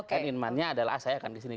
end in mindnya adalah saya akan disini